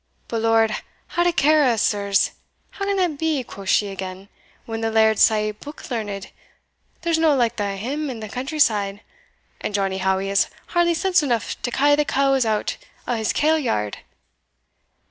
But Lord haud a care o' us, sirs, how can that be,' quo' she again, when the laird's sae book learned, there's no the like o' him in the country side, and Johnnie Howie has hardly sense eneugh to ca' the cows out o' his kale yard?